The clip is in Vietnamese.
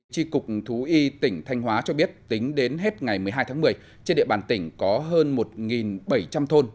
tri cục thú y tỉnh thanh hóa cho biết tính đến hết ngày một mươi hai tháng một mươi trên địa bàn tỉnh có hơn một bảy trăm linh thôn